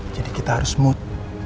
jadi kita harus mud